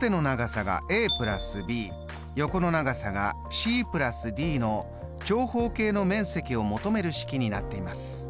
ｂ横の長さがｃ＋ｄの長方形の面積を求める式になっています。